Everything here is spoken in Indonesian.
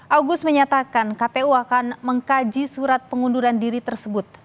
agus menyatakan kpu akan mengkaji surat pengunduran diri tersebut